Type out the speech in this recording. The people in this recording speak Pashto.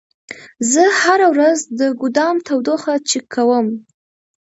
زه هره ورځ د ګودام تودوخه چک کوم.